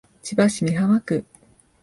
千葉市美浜区